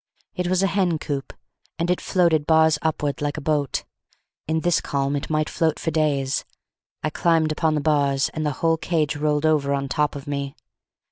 It was a hen coop, and it floated bars upwards like a boat. In this calm it might float for days. I climbed upon the bars and the whole cage rolled over on top of me.